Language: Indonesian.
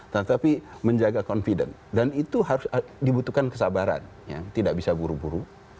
tetapi menjaga confident dan itu harus dibutuhkan kesabaran tidak bisa buru buru